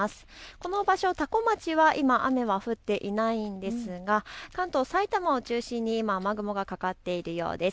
この場所、多古町は今、雨は降っていないんですが関東、埼玉を中心に今、雨雲がかかっているようです。